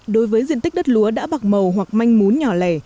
đối với diện tích đất lúa đã bạc màu hoặc manh mún nhỏ lẻ